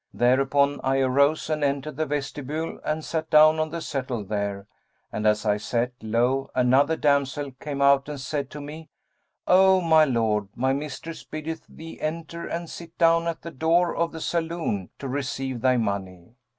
Thereupon I arose and entered the vestibule and sat down on the settle there, and, as I sat, lo! another damsel came out and said to me, 'O my lord my mistress biddeth thee enter and sit down at the door of the saloon, to receive thy money.'